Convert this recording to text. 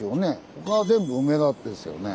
他は全部「梅田」ですよね。